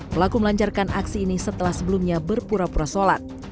pelaku melancarkan aksi ini setelah sebelumnya berpura pura sholat